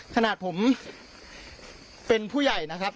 ขนาดผมเป็นผู้ใหญ่นะครับ